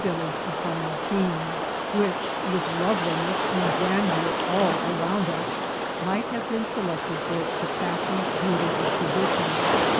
village of San Martin, which, with loveliness and gran deur all around us, might have been selected for its sur passing beauty of position.